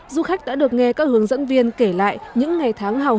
du khách đã được nghe các hướng dẫn viên kể lại những ngày tháng hào hùng